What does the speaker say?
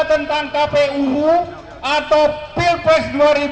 tentang kpu atau pilpres dua ribu dua puluh